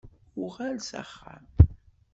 Uɣal s axxam.